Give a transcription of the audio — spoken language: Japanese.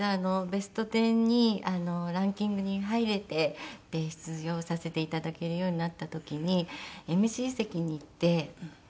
『ベストテン』にランキングに入れてで出場させて頂けるようになった時にＭＣ席に行って。